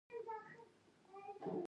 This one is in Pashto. افغانستان د پسرلی له امله شهرت لري.